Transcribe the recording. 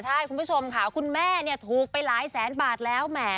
ใช่คุณผู้ชมค่ะคุณแม่เนี่ยถูกไปหลายแสนบาทแล้วแหม